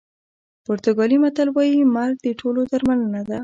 پرتګالي متل وایي مرګ د ټولو درملنه ده.